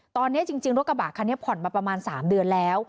ตอนนี้จริงรถกระบะคันนี้ผ่อนมาประมาณ๓เดือนแล้ว